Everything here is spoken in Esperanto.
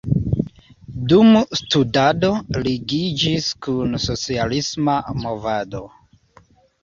Dum studado ligiĝis kun socialisma movado.